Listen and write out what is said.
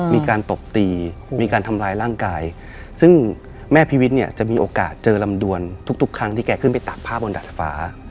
มีการตบตีมีการทำร้ายร่างกายซึ่งแม่พิวิทย์เนี่ยจะมีโอกาสเจอลำดวนทุกทุกครั้งที่แกขึ้นไปตากผ้าบนดาดฟ้า